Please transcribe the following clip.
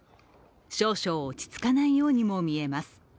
少々落ち着かないようにも見えます。